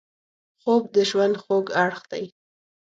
خوب د ژوند خوږ اړخ دی